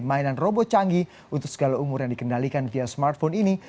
mainan robot canggih untuk segala umur yang dikendalikan via smartphone ini